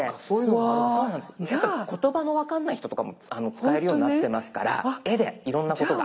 言葉の分かんない人とかも使えるようになってますから絵でいろんなことが。